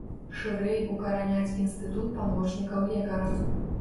Шырэй укараняць інстытут памочнікаў лекара.